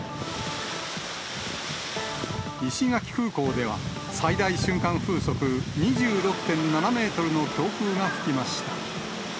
石垣空港では、最大瞬間風速２６．７メートルの強風が吹きました。